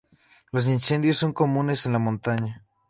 Los incendios son comunes en la montaña.